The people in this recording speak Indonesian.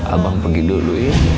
abang pergi dulu ya